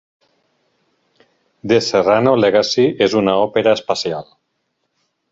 "The Serrano Legacy" és una òpera espacial.